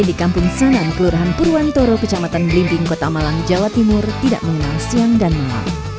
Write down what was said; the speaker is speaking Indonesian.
di kampung sanan kelurahan purwantoro kecamatan belimbing kota malang jawa timur tidak mengenal siang dan malam